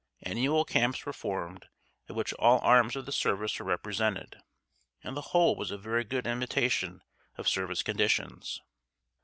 Annual camps were formed at which all arms of the service were represented, and the whole was a very good imitation of service conditions.